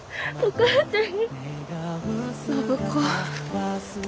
お母ちゃん！